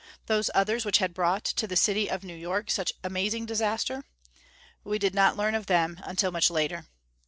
Those others, which brought to the City of New York such amazing disaster? We did not learn of them until much later.